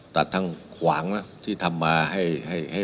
ตัดทางขวางนะที่ทำมาให้